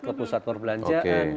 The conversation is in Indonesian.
ke pusat perbelanjaan